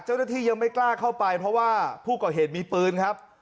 เจ้าหน้าที่ยังไม่กล้าเข้าไปเพราะว่าผู้ก่อเหตุมีปืนครับ